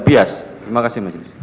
bias terima kasih mas